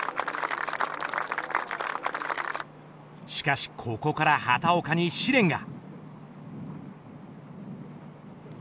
しかし、ここから畑岡に試練が。